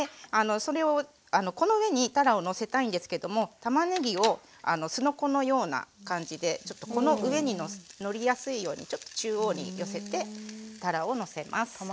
それをこの上にたらをのせたいんですけどもたまねぎをすのこのような感じでこの上にのりやすいようにちょっと中央に寄せてたらをのせます。